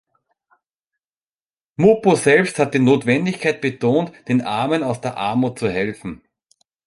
Moupo selbst hat die Notwendigkeit betont, den Armen aus der Armut zu helfen.